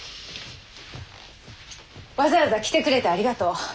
わざわざ来てくれてありがとう。